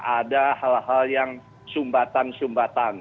ada hal hal yang sumbatan sumbatan